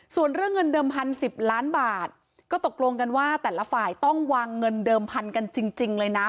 ส่วนเรื่องเงินเดิมพันสิบล้านบาทก็ตกลงกันว่าแต่ละฝ่ายต้องวางเงินเดิมพันกันจริงเลยนะ